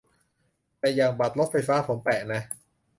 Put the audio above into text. แต่อย่างบัตรรถไฟฟ้าผมแปะนะ